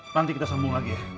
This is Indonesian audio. nanti kita sambung lagi